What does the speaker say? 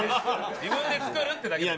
自分で作るってだけだから。